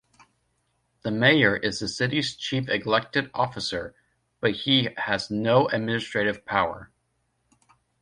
The mayor is the city's chief elected officer, but he has no administrative power.